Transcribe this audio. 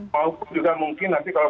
maupun juga mungkin nanti kalau